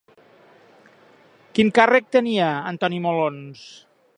Quin càrrec tenia Antoni Molons?